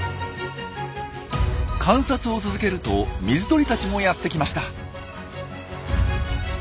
観察を続けると水鳥たちもやって来ました。